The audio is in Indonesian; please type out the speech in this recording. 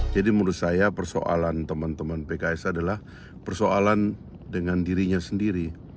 jadi menurut saya persoalan teman teman pks adalah persoalan dengan dirinya sendiri